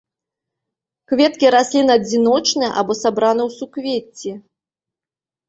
Кветкі раслін адзіночныя або сабраны ў суквецці.